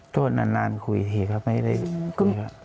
โทษนานคุยทีครับไม่ได้คุยครับ